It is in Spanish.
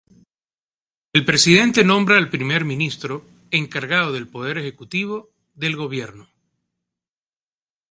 El Presidente nombra al Primer Ministro, encargado del poder ejecutivo, del gobierno.